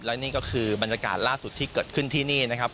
และนี่ก็คือบรรยากาศล่าสุดที่เกิดขึ้นที่นี่นะครับ